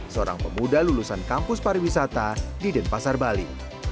seorang pemuda lulusan kampus pariwisata di denpasar bali